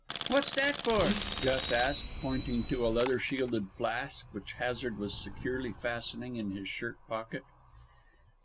"What's that for?" Gus asked, pointing to a leather shielded flask which Hazard was securely fastening in his shirt pocket.